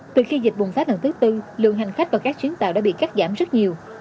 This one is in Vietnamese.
từ khi dịch bùng sát lần thứ bốn lượng hành khách vào các chuyến tàu đã bị cắt giảm rất nhiều